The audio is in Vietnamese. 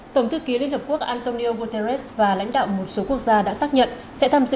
tổng thư ký liên hợp quốc antonio guterres và lãnh đạo một số quốc gia đã xác nhận sẽ tham dự